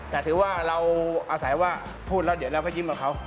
แต่ถือว่าเราอาศัยว่าพูดแล้วเดี๋ยวเราก็ยิ้มกับเขา